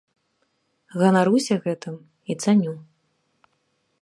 Ганаруся гэтым і цаню.